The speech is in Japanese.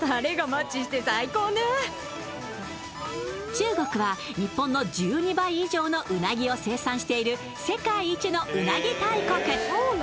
中国は日本の１２倍以上のうなぎを生産している世界一のうなぎ大国。